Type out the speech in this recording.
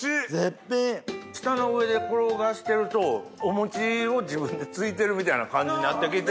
舌の上で転がしてるとお餅を自分でついてるみたいな感じになってきて。